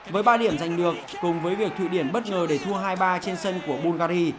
với ba điểm giành được cùng với việc thụy điển bất ngờ để thua hai ba trên sân của bungary